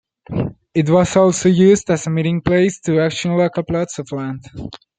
It was also used as a meeting place to auction local plots of land.